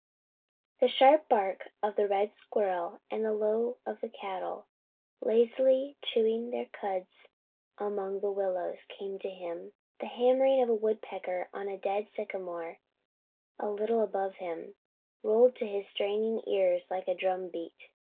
The sharp bark of the red squirrel and the low of cattle, lazily chewing their cuds among the willows, came to him. The hammering of a woodpecker on a dead sycamore, a little above him, rolled to his straining ears like a drum beat.